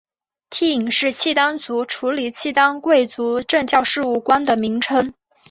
惕隐是契丹族处理契丹贵族政教事务官的名称。